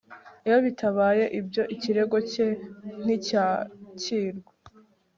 iyo bitabaye ibyo ikirego cye nticyakirwa